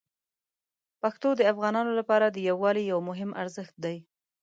پښتو د افغانانو لپاره د یووالي یو مهم ارزښت دی.